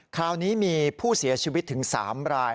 คราวนี้มีผู้เสียชีวิตถึง๓ราย